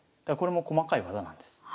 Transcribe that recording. だからこれも細かい技なんです。